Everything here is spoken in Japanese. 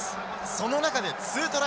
その中で２トライ。